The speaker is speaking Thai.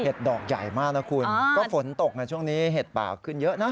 ดอกใหญ่มากนะคุณก็ฝนตกนะช่วงนี้เห็ดป่าขึ้นเยอะนะ